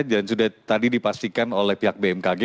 dan sudah tadi dipastikan oleh pihak bmkg